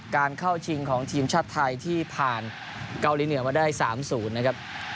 เข้าชิงของทีมชาติไทยที่ผ่านเกาหลีเหนือมาได้๓๐นะครับ